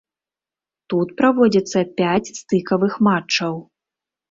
Тут праводзіцца пяць стыкавых матчаў.